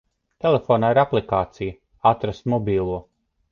Telefonā ir aplikācija "Atrast mobilo".